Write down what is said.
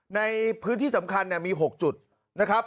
ในพื้นที่สำคัญมี๖จุดนะครับ